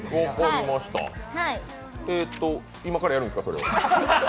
えーと、今からやるんですか、それを？